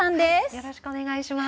よろしくお願いします。